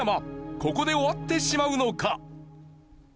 ここで終わってしまうのか？